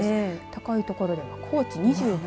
高い所では高知２７．８度。